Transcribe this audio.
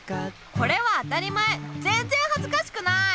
これは当たり前ぜんぜんはずかしくない！